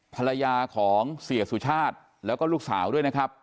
ภรรยาของเสียสุชาติแล้วก็ลูกสาวด้วยนะครับ